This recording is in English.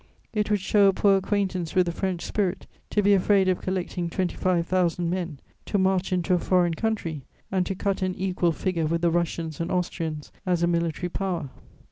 It would show a poor acquaintance with the French spirit to be afraid of collecting twenty five thousand men to march into a foreign country and to cut an equal figure with the Russians and Austrians as a military power.